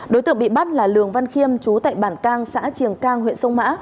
đối tượng bị bắt là lường văn khiêm chú tại bản cang xã triềng cang huyện sông mã